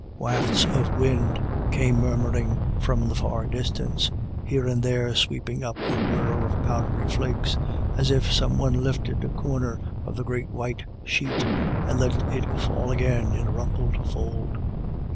Wafts of BETWEEN TWO LAD Y DA VS. 237 wind came murmuring from the far distance, here and there sweeping up a whirl of powdery flakes, as if some one lifted a corner of the great white sheet and let it fall again in a rumpled fold.